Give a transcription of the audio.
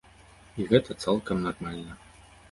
І гэта цалкам нармальна.